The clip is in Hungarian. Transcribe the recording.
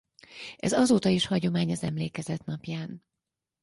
Ez azóta is hagyomány az emlékezet napján.